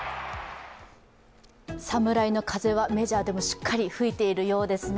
侍の風はメジャーでもしっかり吹いているようですね。